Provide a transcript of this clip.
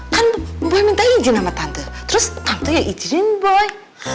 kan boy minta izin sama tante terus tante yang izinin boy